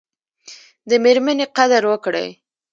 د میرمني قدر وکړئ